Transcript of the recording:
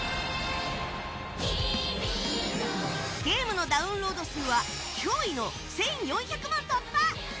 ゲームのダウンロード数は驚異の１４００万突破！